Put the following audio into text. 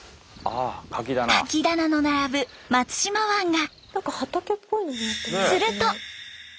カキ棚の並ぶ松島湾が。